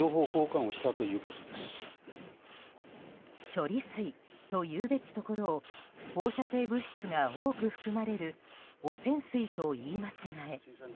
処理水と言うべきところを放射性物質が多く含まれる汚染水と言い間違え。